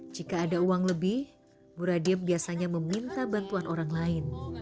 jika ada uang lebih bu radiem biasanya meminta bantuan orang lain